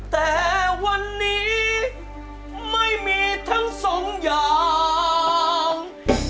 แต่วันนี้ไม่มีทั้งสองอย่าง